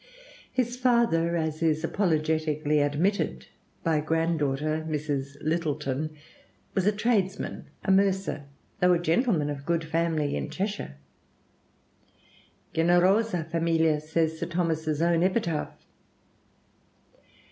His father, as is apologetically admitted by a granddaughter, Mrs. Littleton, "was a tradesman, a mercer, though a gentleman of a good family in Cheshire" (generosa familia, says Sir Thomas's own epitaph).